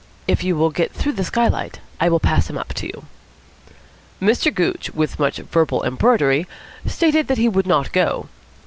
If you will get through the skylight, I will pass him up to you." Mr. Gooch, with much verbal embroidery, stated that he would not go.